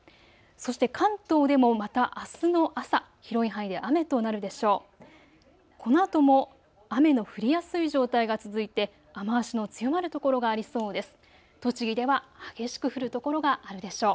そして関東でもまたあすの朝、広い範囲で雨となるでしょう。